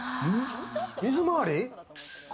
水回り。